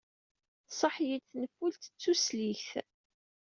Tṣaḥ-iyi-d tenfult d tusligt.